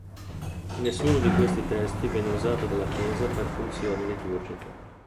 Nessuno di questi testi venne usato dalla Chiesa per funzioni liturgiche.